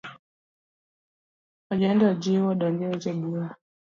Ojende ojiw odonj e weche bura.